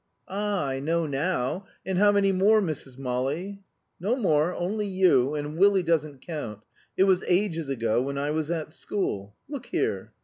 "Ah, I know now. And how many more, Mrs. Molly?" "No more only you. And Willie doesn't count. It was ages ago, when I was at school. Look here."